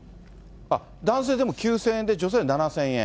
あっ、男性でも９０００円で女性が７０００円？